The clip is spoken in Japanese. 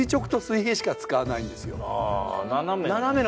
斜め。